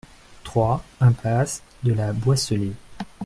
trois impasse de la Boisselée